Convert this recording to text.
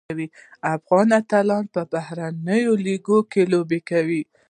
افغان اتلان په بهرنیو لیګونو کې لوبیږي.